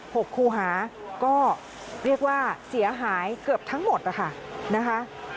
หกคูหาก็เรียกว่าเสียหายเกือบทั้งหมดนะคะ